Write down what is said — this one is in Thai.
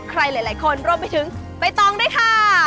ใครหลายคนรวมไปถึงใบตองด้วยค่ะ